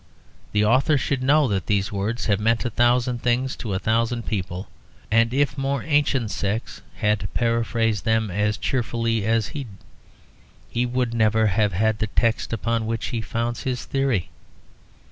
The author should know that these words have meant a thousand things to a thousand people, and that if more ancient sects had paraphrased them as cheerfully as he, he would never have had the text upon which he founds his theory.